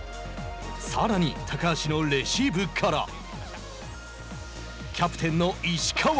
さらに、高橋のレシーブからキャプテンの石川。